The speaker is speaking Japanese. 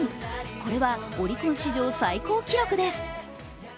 これはオリコン史上最高記録です。